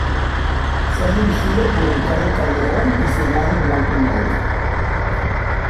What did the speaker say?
Fue dirigido por Ricardo Calderón y filmado en blanco y negro.